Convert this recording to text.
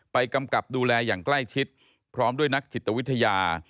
กำกับดูแลอย่างใกล้ชิดพร้อมด้วยนักจิตวิทยา